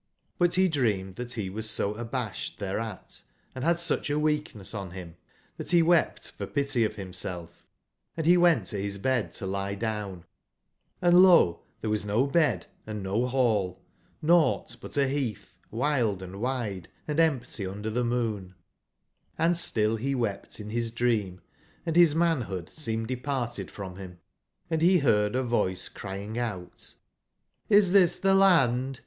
But be dreamed tbat bewassoabasbed tbere at, and bad sucb a weakness on bim, tbat be wept for pity of bimself: and be went to bis bed to lie down ; and lo t tbere was no bed and no ball ; nougbt but a beatb, wild&wide, andempty under tbe moon, Hnd still be wept in bis dream, and bis manbood seemed departed from bim, and be beard a voice cry ing out: ''Is tbis tbe Land?